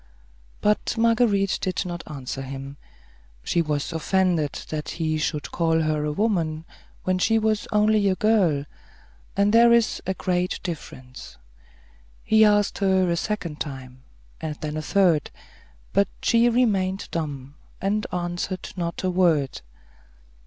But Marguerite did not answer him; she was offended that he should call her a woman when she was only a girl; and there is a great difference. He asked her a second time, and then a third; but she remained dumb, and answered not a word.